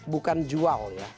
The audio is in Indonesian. bukan jual ya